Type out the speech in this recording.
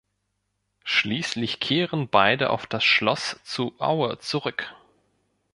Schließlich kehren beide auf das Schloss zu Aue zurück.